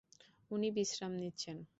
উনি বিশ্রাম নিচ্ছেন।